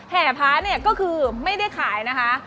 แห่พระเนี่ยก็คือไม่ได้ขายนะคะ